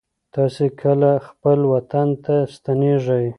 تاسې کله خپل وطن ته ستنېږئ؟